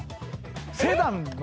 セダンの。